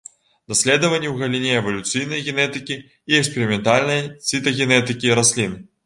Даследаванні ў галіне эвалюцыйнай генетыкі і эксперыментальнай цытагенетыкі раслін.